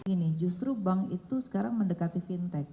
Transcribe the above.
ini justru bank itu sekarang mendekati fintech